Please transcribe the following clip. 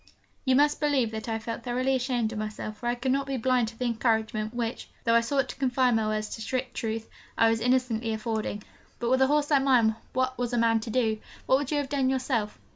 You must believe that I felt thoroughly ashamed of myself, for I could not be blind to the encouragement which, though I sought to confine my words to strict truth, I was innocently affording. But, with a horse like mine, what was a man to do? What would you have done yourself?